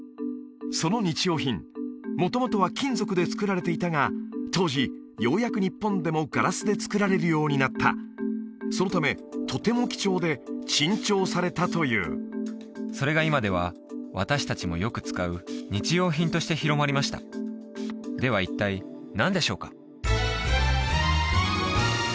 その日用品元々は金属でつくられていたが当時ようやく日本でもガラスでつくられるようになったそのためとても貴重で珍重されたというそれが今では私達もよく使う日用品として広まりましたでは一体何でしょうか？